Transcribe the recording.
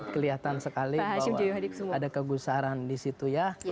kelihatan sekali mungkin ada kegusaran di situ ya